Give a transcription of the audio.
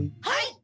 はい。